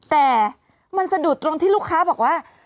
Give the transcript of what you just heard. แต่มันสะดุดตรงที่ลูกค้าบอกว่า